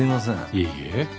いえいえ。